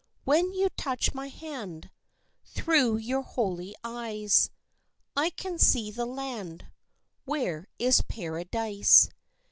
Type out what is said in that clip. When you touch my hand, Through your holy eyes I can see the land Where is Paradise.